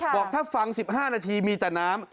บอกถ้าฟัง๑๕นาทีมีแต่น้ำ